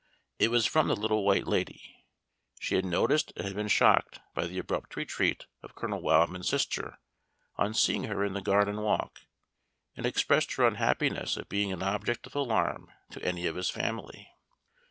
It was from the Little White Lady. She had noticed and been shocked by the abrupt retreat of Colonel Wildman's sister on seeing her in the garden walk, and expressed her unhappiness at being an object of alarm to any of his family.